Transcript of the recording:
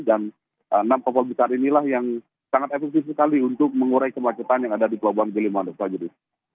enam kapal besar inilah yang sangat efektif sekali untuk mengurai kemacetan yang ada di pelabuhan gilimanuk pak yudi